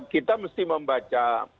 kita mesti membaca